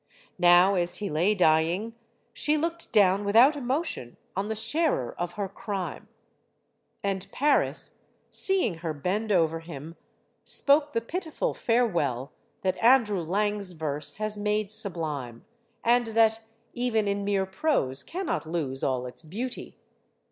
Now, as he lay dying, she looked down without emotion on the sharer of her crime. And Paris, seeing her bend over him, spoke the pitiful farewell that An drew Lang's verse has made sublime, and that, even in mere prose, cannot lose all its beauty.